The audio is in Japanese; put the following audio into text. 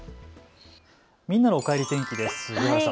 みんなのおかえり天気です。